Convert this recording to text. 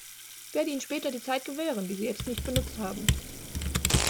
Ich werde Ihnen später die Zeit gewähren, die Sie jetzt nicht benutzt haben.